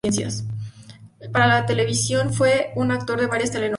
Para televisión fue un actor de varias telenovelas.